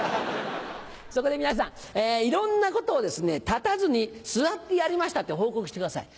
そこで皆さんいろんなことを立たずに座ってやりましたって報告してください。